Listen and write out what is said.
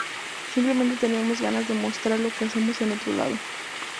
Simplemente tenemos ganas de mostrar lo que hacemos en otro lado.